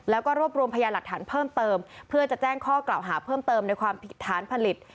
แล้วก็รวบรวมพยานหลักฐานเพิ่มเติมเพื่อจะแจ้งข้อกล่าวหาเพิ่มเติมในความผิดฐานผลิต